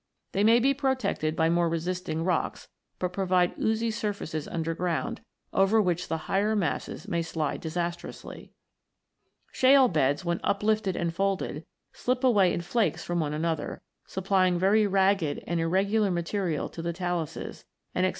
They may be protected by more resisting rocks, but provide oozy surfaces underground, over which the higher masses may slide disastrously (Fig. 9). Shale beds, when uplifted and folded, slip away in iv] CLAYS, SHALES, AND SLATES 95 flakes from one another, supplying very ragged and irregular material to the taluses, and exposing